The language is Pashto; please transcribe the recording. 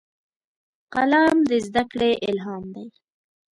قلم د زدهکړې الهام دی